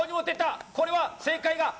これは正解だ！